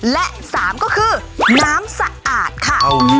และ๓ก็คือน้ำสะอาดค่ะ